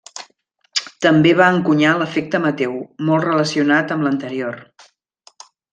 També va encunyar l'efecte Mateu, molt relacionat amb l'anterior.